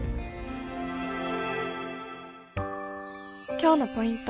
今日のポイント